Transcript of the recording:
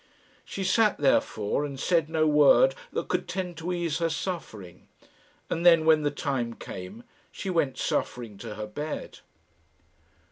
She sat, therefore, and said no word that could tend to ease her suffering; and then, when the time came, she went suffering to her bed.